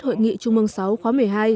hội nghị trung ương sáu khóa một mươi hai